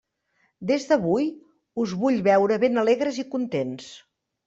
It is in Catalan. Des d'avui us vull veure ben alegres i contents.